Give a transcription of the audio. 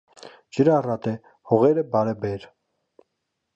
Ջրառատ է, հողերը բարեբեր։